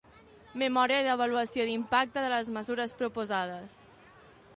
Memòria d'avaluació d'impacte de les mesures proposades.